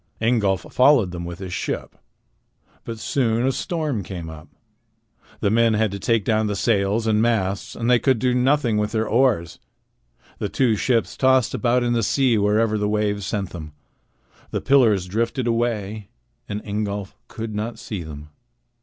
Ingolf followed them with his ship. But soon a storm came up. The men had to take down the sails and masts, and they could do nothing with their oars. The two ships tossed about in the sea wherever the waves sent them. The pillars drifted away, and Ingolf could not see them.